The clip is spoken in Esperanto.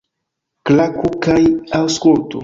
Klaku kaj aŭskultu!